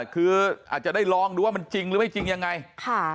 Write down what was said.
คืออาจจะได้ลองดูว่ามันจริงหรือไม่จริงยังไงค่ะ